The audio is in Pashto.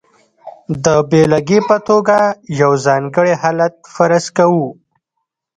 د بېلګې په توګه یو ځانګړی حالت فرض کوو.